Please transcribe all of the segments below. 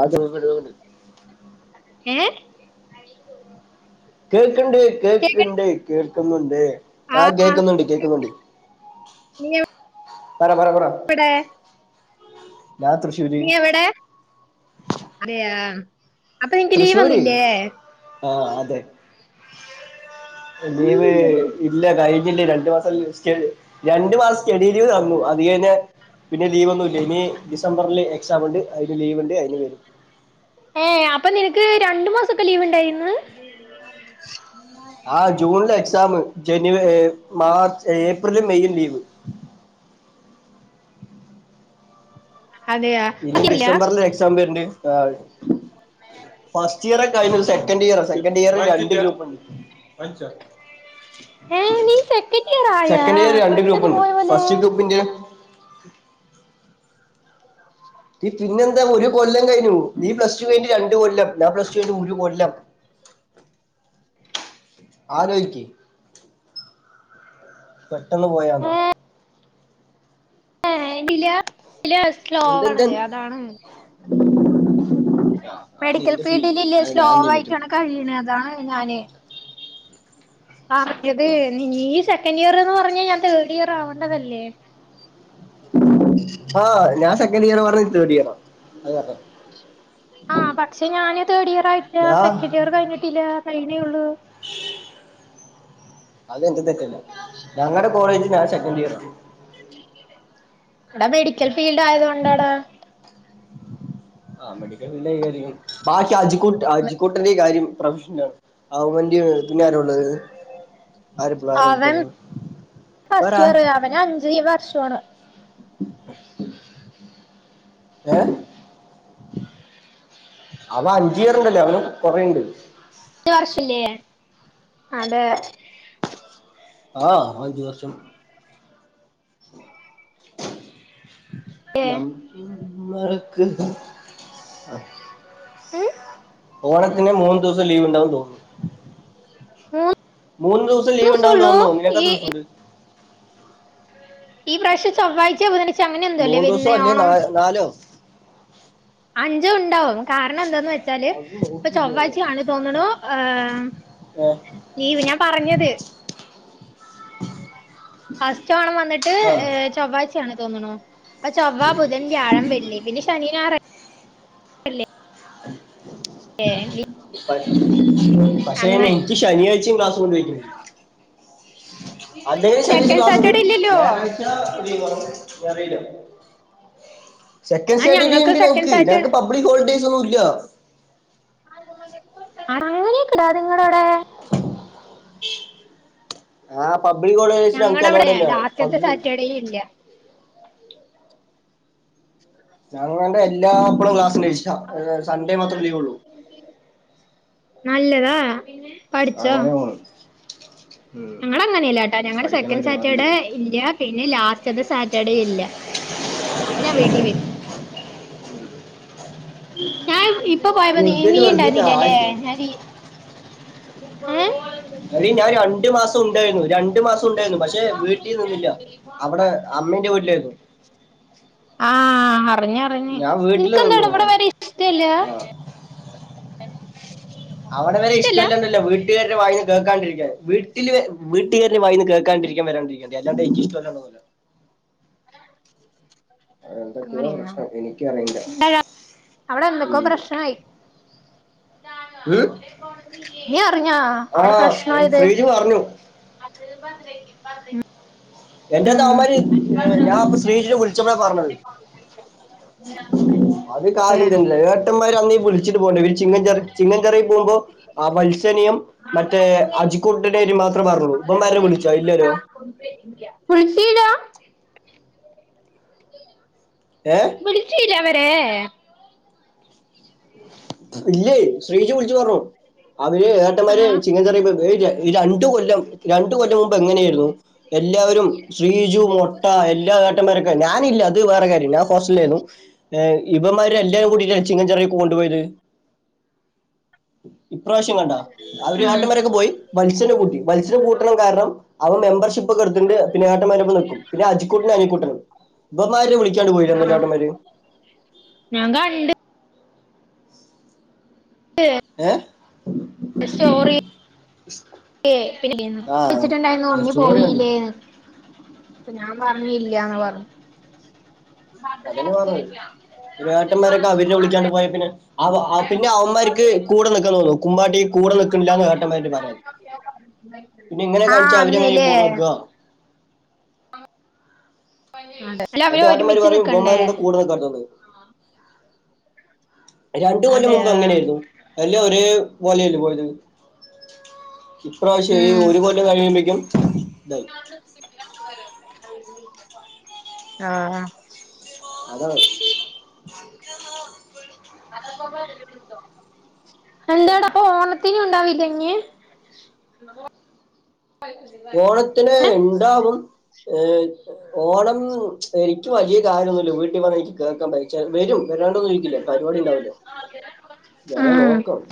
ആ [unintelligible] ഏ? കേൾക്ക്ണ്ട് കേക്ക കേക്ണ്ട് കേൾക്കുന്ണ്ട് ആ കേക്കുന്നുണ്ട് കേക്കുന്നുണ്ട്. [unintelligible] പറ പറ പറ എവിടെ ഞാൻ തൃശ്ശൂര് നീ എവിടെ? അയാ അപ്പൊനിക്ക് ലീവ് വന്നില്ലേ? ആഹ് അതെ ലീവ് ഇല്ല കഴി ഞ്ഞില്ലാ രണ്ട് മാസം രണ്ടു മാസം സ്റ്റഡി ലീവ് തന്നു അധികഴിഞാ പിന്നെ ലീവ് ഒന്ന ക്ക്നി ഡിസംബർല് എക്സാം ണ്ട് അതിന് ലീവ്ണ്ട് അയിന് വെ ഏ അപ്പൊ നിനക്ക് രണ്ടു മാസൊക്കെ ലീവ് ണ്ടായിന്ന്? എക്സാമ് ജനു മാർച്ച് ഏപ്രിലും മെയ്യും ലീവ് അതെയാ ഇനി പറ്റില്ല. ഡിസംബറില് എക്സാം വര്ണ്ട് ആ ഫസ്റ്റ് ഇയർ കഴിഞ്ഞു സെക്കൻഡ് ഇയറാ സെ [unintelligible] ഏ നീ സെക്കൻഡ് ഇയർ ആയാ സെക്കൻഡ് ഇയർ രണ്ട് പെട്ടെന്ന് ഗ്രൂപ്പുണ്ട് പോയ പോലെ ഫസ്റ്റ് ഗ്രൂപ്പ് ഇന്റെ നീ പിന്നെ എന്താ ഒരു കൊല്ലം കഴിഞ്ഞു നീ പ്ലസ് ടു കഴിണ്ട് രണ്ട് കൊല്ലം ഞാ പ്ലസ് ടു കഴിഞ്ട്ട് ഒരു കൊല്ലം ആലോയ്ക്കി പെട്ടെന്ന് പോയാന്നോ ഏല് ഇ [inaudible] എന്തെന്ത് സ്ലോണ് അതാണ് ആ, ആ മെഡിക്കൽ നിന്റെ ഫീൽഡ് ഫീൽഡില് ഇല്ലേ അത് സ്ലോ ഞാൻ എന്ത് പറ്റും ആയിട്ടാണ് കഴീണത് അതാണ് ഞാന് പറഞ്ഞത് നീ സെക്കൻഡ് ഇയർ എന്ന് പറഞ്ഞാ ഞാൻ തേർഡ് ഇയർ ആവണ്ടതല്ലേ ആഹ് ഞാൻ സെക്കൻഡ് ഇയർ പറഞ്ഞ നീ തേർഡ് ഇയർ അത് ആഹ് പക്ഷെ ഞാന് തേർഡ് ഇയർ ആയിട്ടില്ല ഞാൻ സെക്കൻഡ് ഇയർ കഴിഞ്ഞിട്ടില്ല കഴീണൊള്ളു എന്റെ തെറ്റല്ല ഞങ്ങടെ കോളേജ് ഞാൻ സെക്കന്റ് ഇയറാ എടാ മെഡിക്കൽ ഫീൽഡ് ആയതുകൊണ്ടടാ ആ മെഡിക്കൽ ഫീൽഡന്റെ കാര്യം ബാക്കി അജിക്കുട്ട അജിക്കൂട്ടന്റെ കാര്യം പ്രൊഫഷനാണ് അവൻ്റെ പിന്നെ ആരാള്ളത് അവൻ വേറെ ഫസ്റ്റ് ആ- ഇയറ് അവന് അഞ്ച് വർഷോണ് ഏ.. അവൻ അഞ്ച്ഇയർണ്ടല്ലേ അവന് കൊറേണ്ട് ഒരു വർഷില്ലേ അതെ ആഹ് അഞ്ച് വർഷം ഞമ്മമ്മഴക്ക് ആഹ് ഉം മൂന്നു ദിവസം ലീവ് ഉണ്ടാവുന്ന് തോന്ന്ന് മൂന്ന് മൂന്ന് ദിവസം ലീവ് ഉണ്ടാവുന്ന് ഉള്ളൂ തോന്നുന്നു ഈ നിനക്കത്ര ദിവസോണ്ട് ഈ പ്രാവശ്യം ചൊവ്വാഴ്ച്ചെ ബുധനാഴ്ച്ച അങ്ങനെ എന്തോല്ലേ മൂന്ന് ദിവസോ വരുന്ന അല്ലേ നാ ഓണം നാലോ അഞ്ചു ഉണ്ടാവോ കാരണം എന്താന്ന് വെച്ചാല് അത് ഇപ്പൊ നോക്കിയില്ല ചൊവ്വാഴ്ച ആണ് തോന്നണു ഞാൻ ഏ ലീവ് ഞാൻ പറഞ്ഞത് ഫസ്റ്റ് ഓണം വന്നിട്ട് ആഹ് ഏ ചൊവ്വാഴ്ച്ചാണ് തോന്നുണു അപ്പൊ ചൊവ്വാ ബുധൻ വ്യാഴം വെള്ളി പിന്നെ ശനിനാറല്ലേ ഏ പക്ഷെ എനിക്ക് ശനിയാഴ്ചയും ക്ലാസ്സ് കൊണ്ട് വയ്ക്കും അതേ ശനിക്ക് സെക്കൻഡ് ക്ലാസുണ്ട് സാറ്റർഡേ ഇല്ലല്ലോ ഞായറാഴ്ച ലീവാണോന്ന് അറിയില്ല സെക്കൻഡ് ആ സാറ്റർഡേ ഞങ്ങൾക്ക് ഉണ്ട് സെക്കൻഡ് ഞങ്ങക്ക് സാറ്റർഡേ പബ്ലിക് ഹോളിഡേയ്സ് ഒന്നുംല്ല അങ്ങനെയൊക്കെ ഉണ്ടോ നിങ്ങളോടെ ആഹ് പബ്ലിക്ക് ഹോളിഡേഴ്സ് ഞങ്ങടെ ഞങ്ങൾക്ക് അവിടെ അലോവ്ട് അല്ല ലാസ്റ്റത്തെ പബ്ലി സാറ്റർഡേ ഇല്ല അ ഞാങ്ങൻ്റെ എല്ലാപ്പളും ക്ലാസ്സിള്ള ദിവസാ സൺഡേ മാത്രം ലീവ് ഒള്ളു നല്ലതാ അങ്ങനെ പോണ് ഉം ഞങ്ങള അങ്ങനെല്ല ട്ടാ ഞങ്ങളടെ സെക്കൻഡ് പഠിക്കണല്ലോ സാറ്റർഡേ വേറെന്തെങ്കിലും ഇല്ല പിന്നെ ലാസ്റ്റ്ത്തെ സാറ്റർഡേ ഇല്ല അപ്പൊ ഞാൻ വീട്ടീ വരും ഞാൻ ഇപ്പൊ പോയപ്പോ നീ വെറുതെ നീ വെറുതെ ഉണ്ടായിരുന്നില്ലല്ലേ ആയിട്ട് ഞാൻ നീ ഏ അല്ല ഞാൻ രണ്ടു മാസം ഉണ്ടായിരുന്നു രണ്ടു മാസം ഉണ്ടായിരുന്നു പക്ഷെ വീട്ടിൽ നിന്നില്ല അവിടെ അമ്മന്റെ വീട്ടിലായിരുന്നു ആഹ് അറിഞ്ഞ് അറിഞ് ഞാൻ വീട്ടിൽ നിനക്ക് എന്താ നിന്നു ആ. ഇവിടെ വരാൻ ഇഷ്ടല്ല ആ. അവിടെ വരെ ഇഷ്ടല്ല ഇഷ്ടല്ലന്നല്ലോ വീട്ടുകാരുടെ വായിന്ന് കേക്ക കേ വീട്ടില് വീട്ടുകാരുടെ വായിന്ന് കേൾക്കാണ്ടിരിക്കൻ വരാണ്ടിരിക്കണ്ട അതാണ്ട് എനിക്ക് ഇഷ്ടല്ലാതെ ഒന്നും ഇല്ല ആ അ എന്തൊക്കെയോ അങ്ങനെയാണോ പ്രശ്നം എനിക്കറിയില്ല അവിടെ എന്തൊക്കോ പ്രശ്നയി ഉം നീ അറിഞ്ഞോ അവിടെ പ്രശ്നായത് ശ്രീജു പറഞ്ഞു [unintelligible] എന്റെ അടുത്ത് ഉം അവന്മാര് ഞാൻ ശ്രീജെ വിളിച്ചപ്പോളാ പറഞ്ഞത് അത് ഏ കാര്യം തന്നല്ല ഏട്ടന്മാര് അ വിളിച്ചിട്ട് പോണ്ടര് ചിങ്ങച ചിങ്ങചറി പോകുമ്പോ ആ വത്സനയം മറ്റേ അജിക്കുട്ടനെയും മാത്ര പറഞ്ഞളൂ ഇപ്പം വരെ വിളിച്ചാ ഇല്ലല്ലോ ഇ ല്ല്യ വിളിചില്ല ഏ വിളിചില്ല അവ ഏ ഇല്ലേ ശ്രീജു വിളിച്ചു പറഞ്ഞു അവര് ഏട്ടന്മാര് ആഹ് ചിങ്ങ ചെറിയ പോയപ്പോ രണ്ടു രണ്ട് കൊല്ലം മുമ്പ് എങ്ങനെയായിരുന്നു എല്ലാവരും ശ്രീജു മൊട്ട എല്ലാട്ടന്മാരൊക്കെ ഞാനില്ല അത് വേറെ കാര്യം ഞാൻ ഹോസ്റ്റലായിരുന്നു ഇവന്മാര് എല്ലാവരും കൂടിട്ട ചിങ്ങൻചറിയെ കൊണ്ടുപോയത് പ്രാവശ്യം കണ്ട അവര് ഉം ഏട്ടന്മാരൊക്കെ പോയി വത്സനെ കൂട്ടി വത്സനെ കൂട്ടണം കാരണം അവൻ മെമ്പർഷിപ്പ് ഇപ്പോടുത്തിടുണ്ട് പിന്നെ ഏട്ടന്മാരോട് ഒപ്പം നിക്കും പിന്നെ അജിക്കൂട്ടനും അനിക്കൂട്ടനും ഇവന്മാരേം വിളിക്കാണ്ട് പോയി അല്ലെ ആഹ് ഏട്ടന്മാര് ഞാൻ കണ്ട് ഏ സോറി ഏ പി ആ വിളിച്ചിട്ടുണ്ടായിന്ന് ഉണ്ണി സ്റ്റോറി കണ്ടു പോയില്ലേന്ന് ഞാൻ പറഞ്ഞ ഇല്ലന്ന പറഞ്ഞു അതന്നെ പറഞ്ഞത് പിന്നെ ഏട്ടന്മാരൊക്കെ അവരിനെ വിളിക്കാണ്ട് പോയ പിന്നെ അ പിന്നെ അവന്മാർക്ക് കൂടെ നിൽക്കാൻ തോന്നുന്നു കുമ്പാട്ടിക്ക് കൂടെ നിക്കില്ലന്ന്ഏട്ടന്മാർക്ക്‌ പരാതി പിന്നെ എങ്ങനെ ആ കാണിച്ചാ അവര്ങ്ങനെയ അന്ന്ല്ലേ കൂടെ നിക്കുവ [inaudible] അല്ല അവര് അന്റെ ഏട്ടന്മാര് ഒരുമിച്ച് പറയും നിക്കണ്ടേ ഇവന്മാരുടെ കൂടെ [unintelligible] രണ്ടു കൊല്ലം അതെയ മുമ്പ് എങ്ങനെയായിരുന്നു എല്ലാം ഒരേ പോലെയല്ലേ പോയത് ഉം ഇപ്രാവശ്യം ഒരു കൊല്ലം കഴിയുമേക്കും ഇതായി ആഹ അതാണ് എന്തട അപ്പൊ ഓണ ത്തിനും ഉണ്ടാവില്ലങ് ഓണത്തിന് ഇണ്ടാവും ഏ ഓണം എനിക്ക് വലിയ കാര്യമൊന്നുമല്ല വീട്ടിൽ വന്ന് എനിക്ക് കേൾക്കാൻ പ വരും വരാണ്ടൊന്നും ഇരിക്കില്ല പരിപാടി ഉണ്ടാവല്ലോ വരാ ഉം നോക്കാം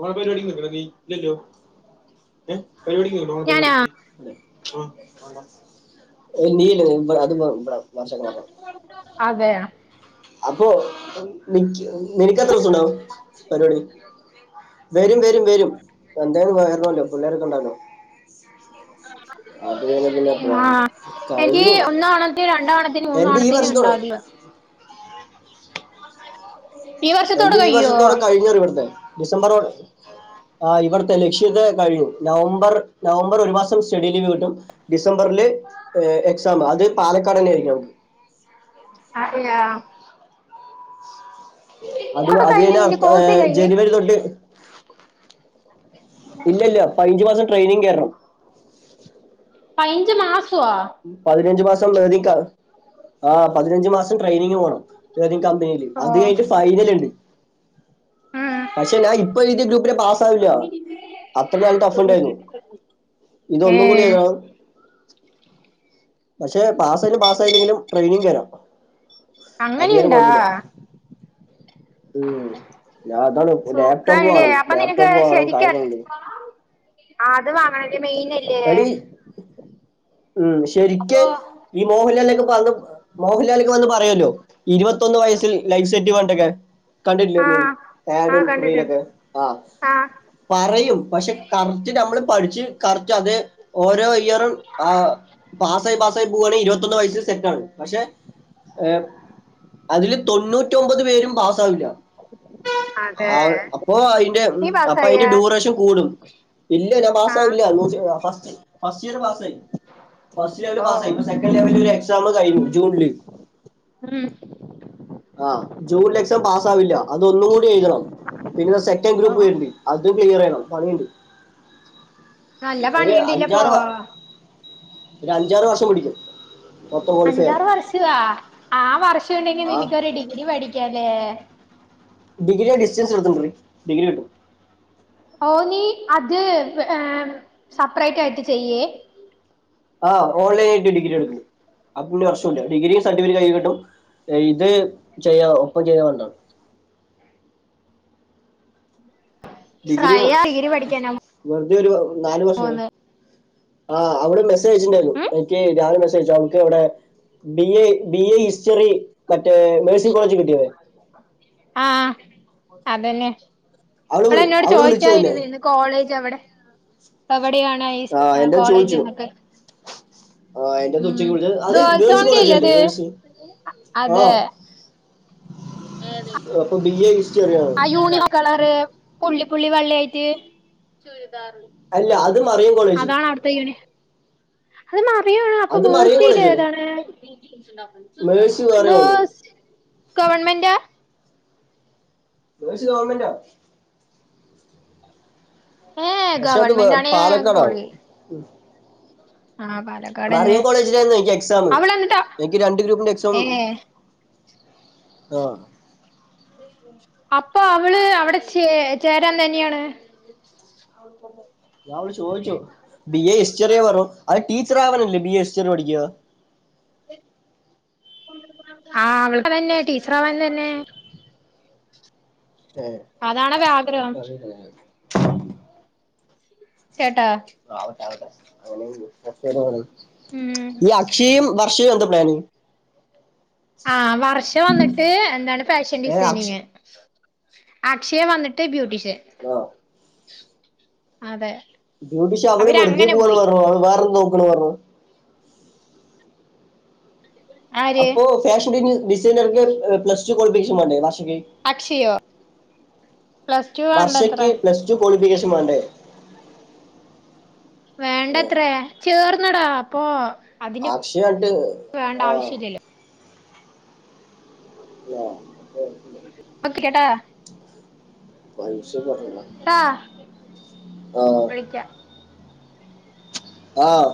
ങ്ങെ പരിപടി ഇണ്ടടാ നീ ഇല്ലല്ലോ ഏ പരിപാടിക്ക് ഓണ ഞാനാ പരിപാടിക്ക് നീ ഇ അത് [inaudible] അതെയ അപ്പൊക്ക് നിനക്ക്ത്ര ദിവസ ഉണ്ടാവും പരിപാടി വരും വരും വരും എന്തായാലുംയല്ലോ പിള്ളേർക്കെണ്ടാവ അത് കഴിഞ്ഞ പിന്നെ എപ്പഴാ ആ എനിക്ക് കഴിഞ്ഞു ഒന്നവണത്തിനും രണ്ടണത്തിനും എന്റെ ഈ മൂന്നാണത്തിനും വർഷത്തോടെ ഉണ്ടാവതിയോ ആഹ എന്റെ ഈ വർഷത്തോടെ കഴിഞ്ഞവിടുത്തെ ഡിസംബർ ആ ഇവിടുത്തെ ലക്ഷ്യത കഴിഞ്ഞു നവംബർ നവംബർ ഒരു മാസം സ്റ്റഡി ലീവ് കിട്ടും ഡിസംബറില് ഏ എക്സാം അത് പാലക്കാട് തന്നെ ആയിരിക്കും നമുക്ക് അതെയാ അത് അവിടെ അത് കഴിഞ്ഞു നിന്റെ അടുത്ത കോഴ്സ് കഴിഞ്ഞ് ജനുവരി തൊട്ട് ഇല്ല ഇല്ല പാഞ്ചു മാസം ട്രെയിനിങ് കയറണം പതിനഞ്ച് മാസം പതിനഞ്ച് മാസം വേദിക്ക ആ പതിനഞ്ച് മാസം ട്രെയിനിങ്ങിന് പോണം എന്തേലും കമ്പനിൽ അത് ഓഹ് കഴിഞ്ഞ ഫൈനൽ ഉണ്ട് ഉം പക്ഷെ ഞാൻ ഇപ്പൊ എഴുതിയ ഗ്രൂപ്പെ പാസ് ആാവില്ല അത്ര കാലം ടഫ് ഉണ്ടായിരുന്നു, ഇതൊന്നും കൂടി ഏഹ് എഴുതണം പക്ഷെ പാസ ആയാലും പാസ് ആയില്ലെങ്കിലും ട്രെയിനിങ് കേറാം അങ്ങനെയുണ്ടാ? ഉം ഞാൻ അതാണ് ലാപ്ടോപ്പ് സുഖല്ലേ വേണം അപ്പൊ ലാപ്ടോപ്പ് വേണം കാര്യങ്ങളണ്ട്, ആ അത് വാങ്ങണല്ലേ മെയിൻല്ലേ, എടി ഉം ശരിക്ക് ഈ മോഹൻലാലിലേക്കെ പറ മോഹൻലാൽ വന്ന് പറയല്ലോ ഇരുപത്തൊന്ന് വയസിൽ ലൈഫ് സെറ്റ് വാണ്ടൊക്കെ? കണ്ടിട്ടില്ലോ നീ ആഹ് ആഹ് ആടും കണ്ടിട്ടുണ്ട് റീലൊക്കെ ആഹ ആഹ് പറയും പക്ഷെ കറക്റ്റ് നമ്മള് പഠിച്ച് കറക്റ്റ് അത് ഓരോ ഇയ്യറും ആ പാസായി പാസ്സായി പോവവായാണെങ്കിൽ ഇരുപത്തൊന്ന് വയസ്ൽ സെറ്റ ആാണ് പക്ഷെ അതില് തൊണ്ണൂറ്റിഒമ്പത് പേരും പാസ്സാവില്ല, അതെ ആ അപ്പൊ അതിന്റെ നീ അപ്പൊ പാസായ അതിന്റെ ഡ്യൂറേഷൻ കൂടും ഇല്ല പാസ്സ ആഹ് ആവില്ല ഫസ്റ്റ് ഫസ്റ്റ് ലെവല് ഓ പാസ്സായി ഇപ്പൊ സെക്കൻഡ് ലെവല് ഒരു എക്സാം കഴിഞ്ഞു ജൂണില് ഉം ആ ജൂണ എക്സാം പാസ് ആവില്ല അതൊന്നും കൂടി എഴുതണം പിന്നെ സെക്കൻഡ് ഓ ഗ്രൂപ്പ് വരണ്ട് അതും ക്ലിയർ ആയിണോ പണി ണ്ട് നല്ല പണിണ്ടല്ലപ്പോ ഒരു അഞ്ചാറ് വർഷം പിടിക്കും, മൊത്തം ക്വാളിഫൈ ആവാൻ അഞ്ചാറ് വർഷ ആ ആ വർഷംണ്ടെങ്കി ആ നിനക്കൊരു ഡിഗ്രി പഠിക്കാലേ ഏ ഡിഗ്രിയ ഡിസ്റ്റൻസ് എടുത്തടി ഡിഗ്രി കിട്ടും. ഓ നീ അത് ഏ സപ്പറേറ്റ് ആയിട്ട് ചെയ്യേ? ആഹ് ഓൺലൈൻ ആയിട്ട ഡഗ്രി എടുക്കുന്നു അപ്പന്ന പ്രശ്നല്ല ഡിഗ്രിയ സർട്ടിഫിക്കറ്റ് ക ഇത് ചെയ്യ ഒപ്പം ചെയ്ത വണ്ടാണ് [unintelligible] ഡിഗിരി പഠിക്കാനാ വെറുതെ ഒരു നാല് വർഷ പോവുന്നെ ആ അവിൾ മെസ്സേജ്അയ ച്ചിട്ടുണ്ടായിരുന്നു ഉം എനിക്ക് രാവിലെ മെസ്സേജ്ച്ചക്ക് അവിടെ B A B A history മറ്റേ മെഴ്സിൻ കോളേജ് കിട്ടിയേ ആഹ് അതന്നെ ഇവള ന്നോട് വിളിച്ചു നിന്നെ ചോയിച്ചായിരുന്നു ഇന്ന് കോളേജ് അവിടെ എവിടെയാണ് ഈ ആ എന്റെ കോളേജ് ചോദിച്ചു എന്നൊക്കെ ആ എന്റെ അടുത്ത് ഉം ഉച്ചയ്ക്ക് വിളിച്ചത് അത് ഗേൾസ് കോളേജ് അല്ലേ അത്? മേഴ്സി ആ അതെ അപ്പൊ [unintelligible] ആ യൂണിക് കളറ് പുള്ളിപ്പുള്ളി വെള്ളിയയിട്ട്? അല്ല അ അതാണ് അവ്ട്ത്തെ യൂണിഫോം അത് മറിയണ് അപ്പൊ അത് മറിയം കോളേജ് അല്ലേ മേഴ്സിയിലേതാണ് മേഴ്സി വേറെ ഒന്ന് മേഴ്‌സ് ഗവണ്മെന്റ മേഴ്‌സി ഗവണ്മെന്റ ഏ പക്ഷെ അത് ഗവൺമെന്റ് ആണേ പാലക്കാട പൊളി ആ പാലക്കാടന്നെ മറിയം കോളേജിലേർന്നു ഇന്കെക്സാം അവള് എന്നിട്ടാ എന്ക്ക് രണ്ട് ഗ്രൂപ്പിന്റെ എക്സാം ആ ആപ് പ്പൊ അവള് അവിടെ ചേ ചേരാൻ തന്ന്യണ് ഞാനവളോട് ചോയ്ച്ചു ബി എ ഹിസ്റ്ററിയെ വറു അത് ടീച്ചർ ആവാനല്ലേ ബി എ ഹിസ്റ്ററി പഠിക്ക ആ അവളതെന്നെ ടീച്ചറാവാൻ തന്നെ ഏഹ് അതാണവ ആഗ്രഹം കേട്ടാ ഉം [unintelligible] ഈ അക്ഷിയും വർഷയു എന്താ പ്ലാന് ആഹ് വർഷ വന്നിട്ട് എന്താണ് ഫാഷൻ ഏഹ് അക്ഷ ഡിസൈനിങ് അക്ഷയ വന്നിട്ട് ബ്യൂട്ടീഷൻ ആഹ് അതെ ബ്യൂട്ടിഷൻ അവള് വെറുതെ അവരങ്ങനെ പോവാന്ന് പോയി പർഞ്ഞു വേറെന്ന് നോക്കാണ് പർഞ്ഞു ആര് അപ്പോ ഫാഷ [unintelligible] ഡിസൈനർക്ക് പ്ലസ് ടു ക്വാളിഫിക്കേഷൻ വേണ്ടേ വർഷ് അക്ഷയോ പ്ലസ് ടു വർഷക്ക് വേണ്ടത്രേ പ്ലസ് ടു ക്വാളിഫിക്കേഷൻ വേണ്ടേ ഏഹ് വേണ്ടത്രേ ചേർന്നെടാ പോ അതിന് അക്ഷയായിട്ട് വേണ്ട ആഹ് ആവശ്യല്ല്യല്ലോ [unintelligible] വക്കെട്ടാ ട്ടാ ആഹ് വിളിക്ക ആഹ്